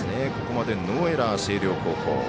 ここまでノーエラーの星稜高校。